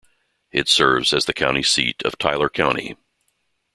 It serves as the county seat of Tyler County.